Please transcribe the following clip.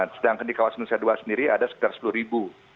sedangkan di kawasan nusa dua sendiri ada sekitar sepuluh ribu